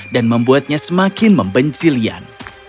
dan membuatnya semakin membenci lian